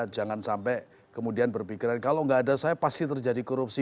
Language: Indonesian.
jangan sampai kemudian berpikiran kalau nggak ada saya pasti terjadi korupsi